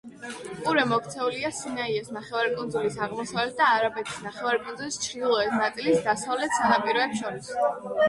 ყურე მოქცეულია სინაის ნახევარკუნძულის აღმოსავლეთ და არაბეთის ნახევარკუნძულის ჩრდილოეთ ნაწილის დასავლეთ სანაპიროებს შორის.